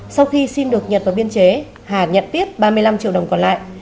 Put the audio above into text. sau khi xin được nhật vào biên chế hà nhận tiếp ba mươi năm triệu đồng còn lại